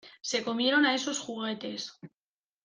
Se comieron a esos juguetes.